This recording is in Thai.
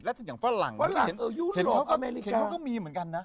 แล้วถ้าอย่างฝรั่งเห็นเขาก็มีเหมือนกันนะ